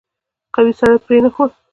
قوي سړی پرې نه ښود.